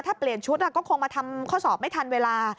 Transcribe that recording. ถ้าเปลี่ยนชุดก็คงมาทำข้อสอบไม่ทันเวลา